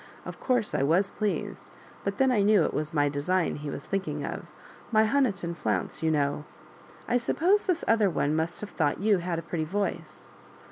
*' Of course I was pleased; but then I knew it was my design he was thinking of — my Honiton flounce, you know. I suppose this other one must have thought you had a pretty voice."